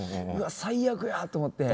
最悪やと思って。